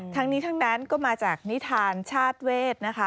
ทั้งนี้ทั้งนั้นก็มาจากนิทานชาติเวทนะคะ